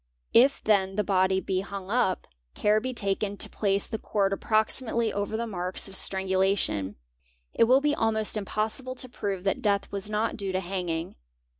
If then the body be hung up, care being taken to place the cord approximately over the marks of strangulation, it will be almost impossible to prove that death was not due to hanging.